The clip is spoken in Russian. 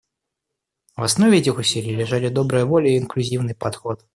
В основе этих усилий лежали добрая воля и инклюзивный подход.